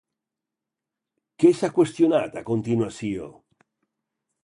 Què s'ha qüestionat a continuació?